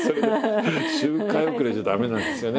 周回遅れじゃ駄目なんですよね。